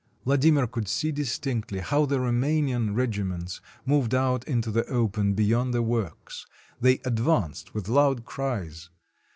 Vladimir could see distinctly how the Roumanian regiments moved out into the open beyond the works ; they advanced with loud cries.